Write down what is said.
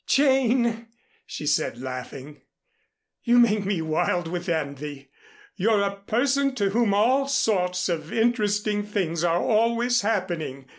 "Jane," she said laughing. "You make me wild with envy. You're a person to whom all sorts of interesting things are always happening.